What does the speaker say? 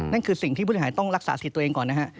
นั่นคือสิ่งที่ผู้ต้องหาต้องรักษาสิทธิ์ตัวเองก่อนนะฮะ